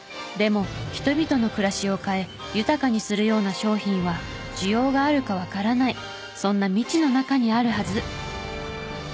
でも人々の暮らしを変え豊かにするような商品は需要があるかわからないそんな未知の中にあるはず。